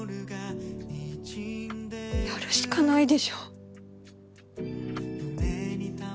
やるしかないでしょ。